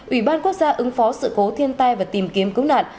ủy ban quốc gia ứng phó sự cố thiên tai và tìm kiếm cứu nạn